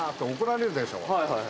はいはい。